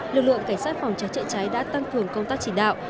lượng lượng cảnh sát phòng cháy chạy cháy đã tăng cường công tác chỉ đạo